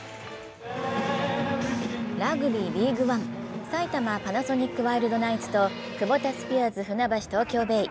ＲＵＧＢＹＬＥＡＧＵＥＯＮＥ、埼玉パナソニックワイルドナイツとクボタスピアーズ船橋東京ベイ。